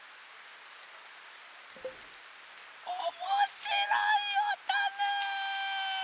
おもしろいおとね！